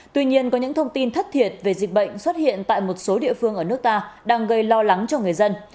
tuy nhiên có những thông tin thất thiệt về dịch bệnh xuất hiện tại một số địa phương ở nước ta đang gây lo lắng cho người dân